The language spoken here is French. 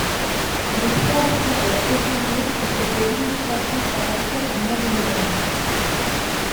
Les points pourront être échangés contre des illustrations à partir du mois de novembre.